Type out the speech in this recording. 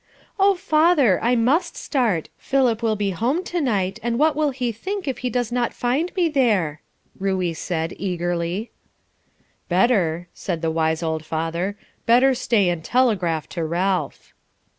"Oh, father! I must start; Philip will be home to night, and what will he think if he does not find me there?" Ruey said eagerly. "Better," said the wise old father, "better stay and telegraph to Ralph."